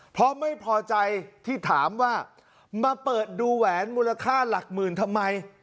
เพราะไม่พอใจที่ถามว่ามาเปิดดูแหวนมูลค่าหลักหมื่นทำไม